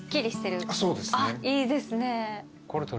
ねっいいですね。